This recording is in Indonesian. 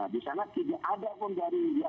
disana tidak ada pun dari